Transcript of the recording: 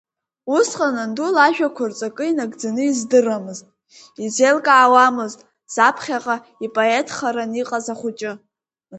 Усҟан анду лажәақәа рҵакы инагӡаны издырамызт, изеилкаауамызт, заԥхьаҟа ипоетхаран иҟаз ахәыҷы.